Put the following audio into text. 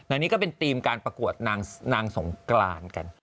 อันนี้ก็เป็นธีมการประกวดนางสงกรานกัน